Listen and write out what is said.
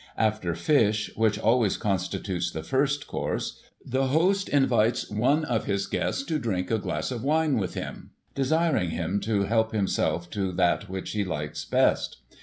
After fish, which always constitutes the first course, the host invites one of his guests to drink a glass of wine with him, desiring him to help himself to that which he likes best.